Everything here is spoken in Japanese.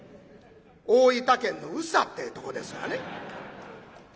大分県の宇佐ってえとこですがね。